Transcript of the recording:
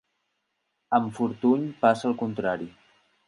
Amb Fortuny passa el contrari.